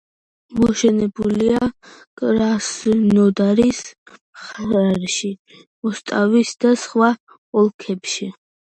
მოშენებულია კრასნოდარის მხარეში, როსტოვისა და სხვა ოლქებში.